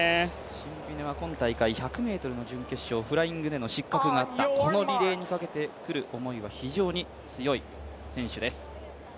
シンビネは今大会１００ｍの準決勝、フライングでの失格になった、このリレーにかけてくる思いは非常に強い選手でう。